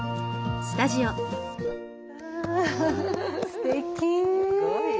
すてき。